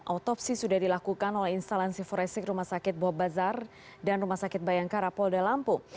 autopsi sudah dilakukan oleh instalansi forensik rumah sakit bawabazar dan rumah sakit bayangka rapolda lampung